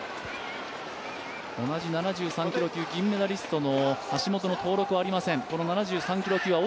同じ７３キロ級、銀メダリストの橋本の登録はありません。